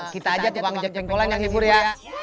kita aja juga ngejek jek polen yang hibur ya